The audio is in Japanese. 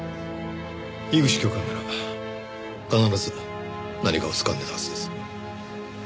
樋口教官なら必ず何かをつかんでたはずです。